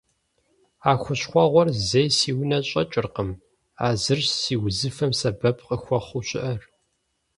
А хущхъуэгъуэр зэи си унэ щӀэкӀыркъым, а зырщ си узыфэм сэбэп къыхуэхъуу щыӀэр.